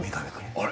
あれ？